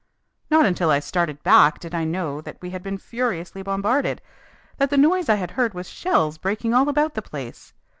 "Not until I started back did I know that we had been furiously bombarded, that the noise I had heard was shells breaking all about the place.